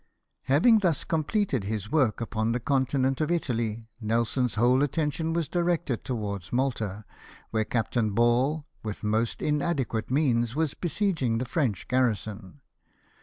Having thus completed his work upon the conti nent of Italy, Nelson's whole attention was directed towards Malta, where Captain Ball, with most in adequate means, was besieging the French garrison.